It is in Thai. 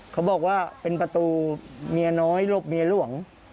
เขาบอกว่าเป็นประตูเมียน้อยหลบเมียหลวง